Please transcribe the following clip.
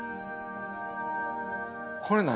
これ何？